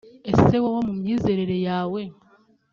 Ese wowe mu myizerere yawe